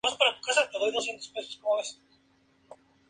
Ormonde se convirtió en su principal amigo y defensor.